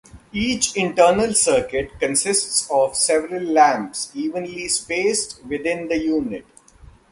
Each internal circuit consists of several lamps evenly spaced within the unit.